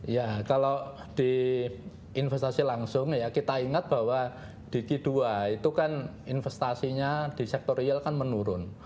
ya kalau di investasi langsung ya kita ingat bahwa di q dua itu kan investasinya di sektor real kan menurun